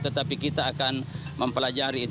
tetapi kita akan mempelajari